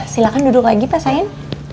silahkan duduk lagi pas sayin